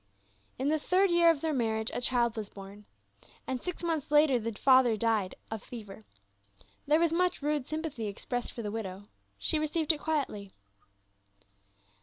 In the third year of their marriage a child was born, and six months later the father died of fever. There was much rude sympathy expressed for the widow ; she received it quietly.